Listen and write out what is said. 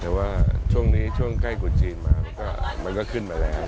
แต่ว่าช่วงนี้ช่วงใกล้กรุดจีนมามันก็ขึ้นมาแล้ว